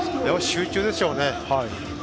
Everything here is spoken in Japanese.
集中ですよね。